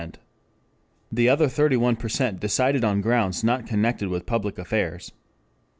The other thirty percent decided on grounds not connected with public affairs.